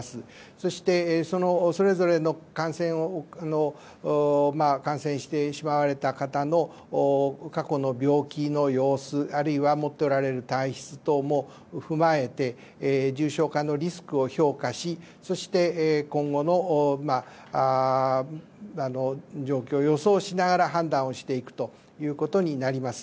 そして、それぞれの感染してしまわれた方の過去の病気の様子あるいは持っておられる体質等を踏まえて重症化のリスクを評価し今後の状況を予想しながら判断をしていくということになります。